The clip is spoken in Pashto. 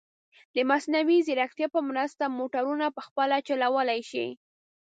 د مصنوعي ځیرکتیا په مرسته، موټرونه په خپله چلولی شي.